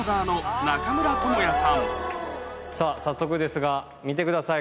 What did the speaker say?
早速ですが見てください